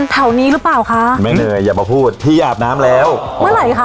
แถวนี้หรือเปล่าคะแม่เนยอย่ามาพูดพี่อาบน้ำแล้วเมื่อไหร่คะ